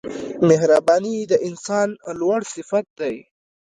• مهرباني د انسان لوړ صفت دی.